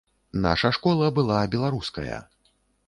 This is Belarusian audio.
Наша школа была беларуская.